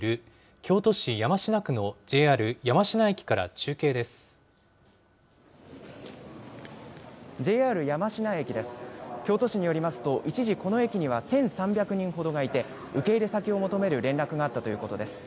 京都市によりますと、一時、この駅には１３００人ほどがいて、受け入れ先を求める連絡もあったということです。